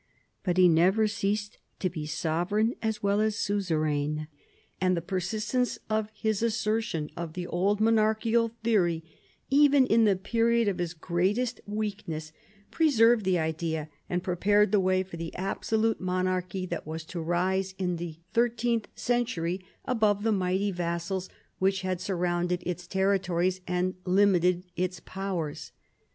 But he never ceased to be sovereign as well as suzerain, and the per sistence of his assertion of the old monarchical theory, even in the period of his greatest weakness, preserved the idea and prepared the way of the absolute monarchy 4 PHILIP AUGUSTUS chap. that was to rise in the thirteenth century above the mighty vassals which had surrounded its territories and limited its powers.